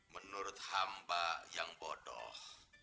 menurut hamba yang bodoh